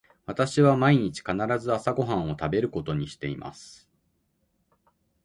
私は毎日必ず朝ご飯を食べることにしています。